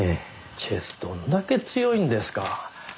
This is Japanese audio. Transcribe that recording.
チェスどんだけ強いんですか。